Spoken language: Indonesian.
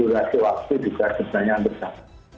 durasi waktu juga sebenarnya bersama